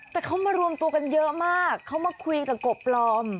แต่เขามารวมตัวกันเยอะมากเขามาคุยกับกบปลอม